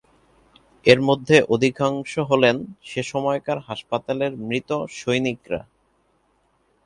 এর মধ্যে অধিকাংশ হলেন সেসময়কার হাসপাতালের মৃত সৈনিকরা।